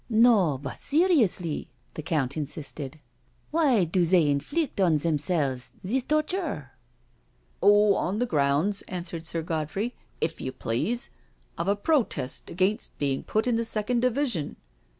•• No, but seriously," the Count insisted. '* Why do they inflict on themselves this torture? •• Oh, on the grounds,*' answered Sir Godfrey, " if you please, of a protest against being put in the second division."